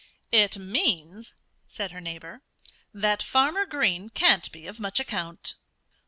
"It means," said her neighbor, "that Farmer Green can't be of much account."